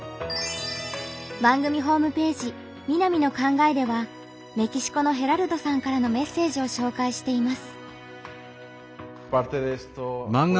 番組ホームページ「みなみの考え」ではメキシコのヘラルドさんからのメッセージを紹介しています。